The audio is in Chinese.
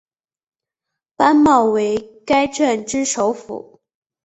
班茂为该镇之首府。